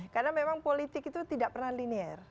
karena memang politik itu tidak pernah linier